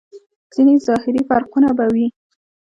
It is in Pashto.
ځينې ظاهري فرقونه به وي.